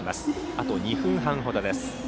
あと２分半ほどです。